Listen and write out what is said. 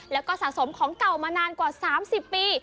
แล้วก็สะสมของเก่ามานานกว่า๓๐ปี